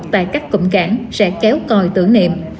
tại các cụm cảng sẽ kéo còi tử niệm